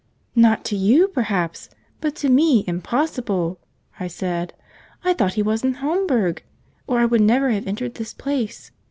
"Not to you, perhaps, but to me impossible," I said. "I thought he was in Homburg, or I would never have entered this place.